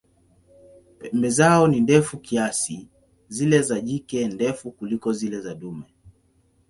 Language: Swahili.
Pembe zao ni ndefu kiasi, zile za jike ndefu kuliko zile za dume.